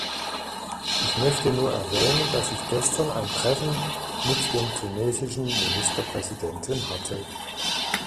Ich möchte nur erwähnen, dass ich gestern ein Treffen mit dem tunesischen Ministerpräsidenten hatte.